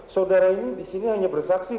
saudara ini disini hanya bersaksi